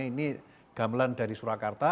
ini gamelan dari surakarta